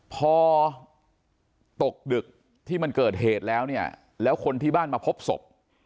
พอตกดึกที่มันเกิดเหตุแล้วเนี่ยแล้วคนที่บ้านมาพบศพ